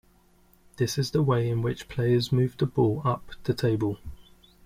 This is the way in which players move the ball up the table.